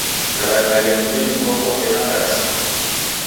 Narakaia nyumbenyi kwapo ela narasilwa.